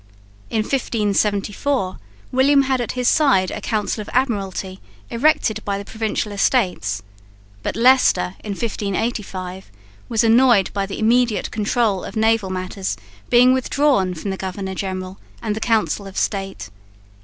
In 1574 William had at his side a Council of Admiralty erected by the Provincial Estates, but Leicester in 1585 was annoyed by the immediate control of naval matters being withdrawn from the governor general and the Council of State.